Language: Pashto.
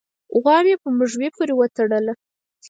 غوا مې په مږوي پورې و تړله